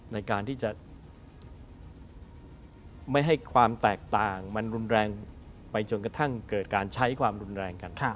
ในการที่จะไม่ให้ความแตกต่างมันรุนแรงไปจนกระทั่งเกิดการใช้ความรุนแรงกัน